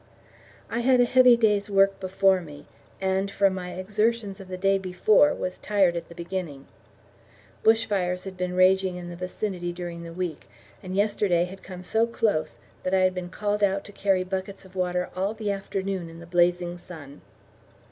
I had a heavy day's work before me, and, from my exertions of the day before, was tired at the beginning. Bush fires had been raging in the vicinity during the week, and yesterday had come so close that I had been called out to carry buckets of water all the afternoon in the blazing sun.